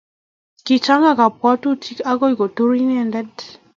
kichang'it kabwotutik akoi kotur inendet